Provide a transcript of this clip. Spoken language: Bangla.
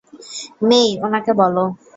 মেই, ওনাকে বলো।